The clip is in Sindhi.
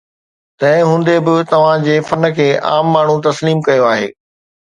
تنهن هوندي به توهان جي فن کي عام ماڻهو تسليم ڪيو آهي.